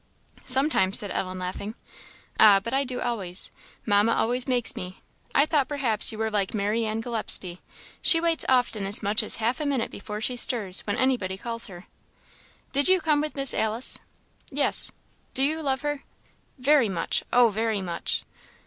"Sometimes," said Ellen, laughing. "Ah, but I do always; Mamma always makes me. I thought perhaps you were like Marianne Gillespie she waits often as much as half a minute before she stirs, when anybody calls her. Did you come with Miss Alice?" "Yes." "Do you love her?" "Very much! oh, very much!"